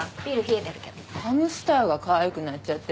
ハムスターがかわいくなっちゃって。